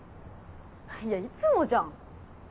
いやいつもじゃん！